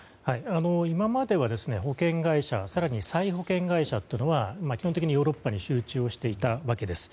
今までは保険会社更に再保険会社というのは基本的にヨーロッパに集中していたわけです。